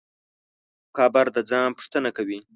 قبر د ځان پوښتنه کوي.